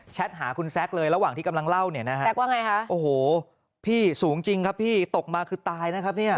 แชทหาคุณแซ็กเลยระหว่างที่กำลังเล่านะฮะโอ้โหพี่สูงจริงครับพี่ตกมาคือตายนะครับ